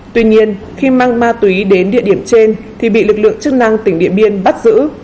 tuy nhiên khi mang ma túy đến địa điểm trên thì bị lực lượng chức năng tỉnh điện biên bắt giữ